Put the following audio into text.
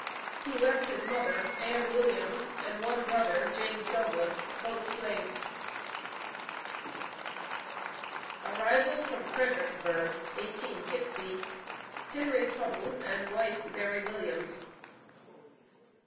He left his mother Ann Williams, and one brother, James Douglass, both slaves. ARRIVAL FROM FREDERICKSBURG, 1860. HENRY TUDLE AND WIFE, MARY WILLIAMS.